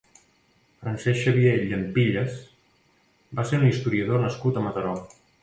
Francesc Xavier Llampilles va ser un historiador nascut a Mataró.